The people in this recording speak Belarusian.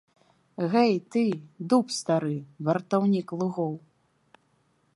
Гэй ты, дуб стары, вартаўнік лугоў!